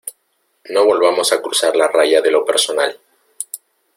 no volvamos a cruzar la raya de lo personal.